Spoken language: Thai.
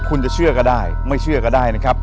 คุณจะเชื่อก็ได้ไม่เชื่อก็ได้นะครับ